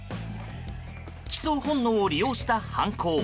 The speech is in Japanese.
帰巣本能を利用した犯行。